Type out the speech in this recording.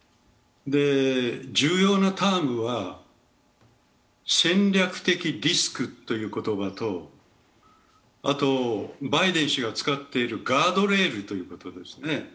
重要なタームは、戦略的リスクという言葉とバイデン氏が使っているガードレールということですね。